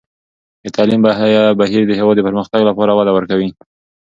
د تعلیم بهیر د هېواد د پرمختګ لپاره وده ورکوي.